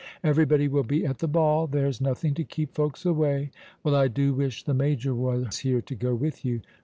Everybody will be at the ball. There's nothing to keep folks away. Well, I do wish the major was here to go with you.